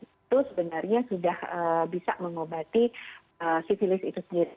itu sebenarnya sudah bisa mengobati sivilis itu sendiri